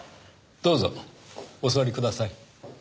どうぞお座りください。